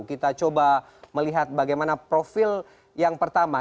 kita coba melihat bagaimana profil yang pertama